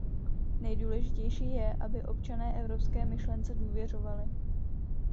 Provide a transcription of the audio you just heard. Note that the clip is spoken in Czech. Nejdůležitější je, aby občané evropské myšlence důvěřovali.